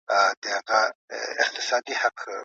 زکات ورکول د مال برکت دی.